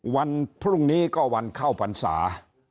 วันพรุ่งนี้ก็วันเข้าพรรษา